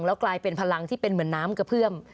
แล้วกลายเป็นพลังที่เป็นเหมือนน้ำกระเพื่อม